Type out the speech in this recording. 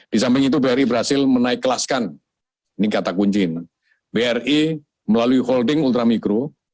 di samping itu bri berhasil menaikkelaskan ini kata kuncin bri melalui holding ultramikro